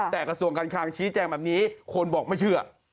แต่กระทรวงการคลังชี้แจงแบบนี้คนบอกไม่เชื่อ